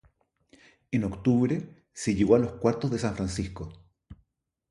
En octubre, se llegó a los cuartos de San Francisco.